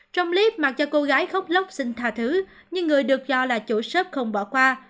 trong clip mặc cho cô gái khóc lóc xin thà thứ nhưng người được cho là chủ sh không bỏ qua